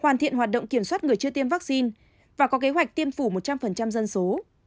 hoàn thiện hoạt động kiểm soát người chưa tiêm vaccine và có kế hoạch tiêm phủ một trăm linh dân số